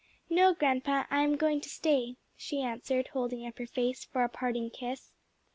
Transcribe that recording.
"No, grandpa, I am going to stay," she answered, holding up her face for a parting kiss.